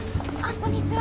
こんにちは